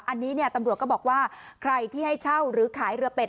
อันนี้เนี่ยตำรวจก็บอกว่าใครที่ให้เช่าหรือขายเรือเป็ด